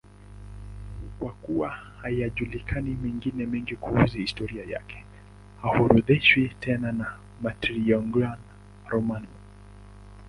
Kwa kuwa hayajulikani mengine mengi kuhusu historia yake, haorodheshwi tena na Martyrologium Romanum.